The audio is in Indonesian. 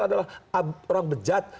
adalah orang bejat